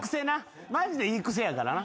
マジでいいクセやからな。